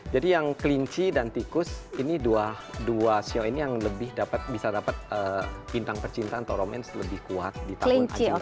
jadi yang klinci dan tikus ini dua sion ini yang lebih dapat bisa dapat bintang percintaan atau romance lebih kuat di tahun anjing tanda